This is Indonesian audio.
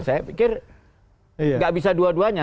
saya pikir nggak bisa dua duanya